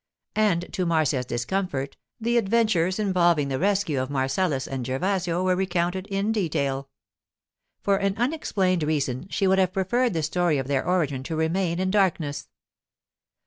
And, to Marcia's discomfort, the adventures involving the rescue of Marcellus and Gervasio were recounted in detail. For an unexplained reason, she would have preferred the story of their origin to remain in darkness.